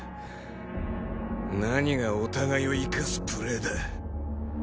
何が「お互いを生かすプレーだ」。